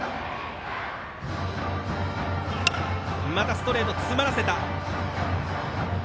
ストレートを詰まらせた。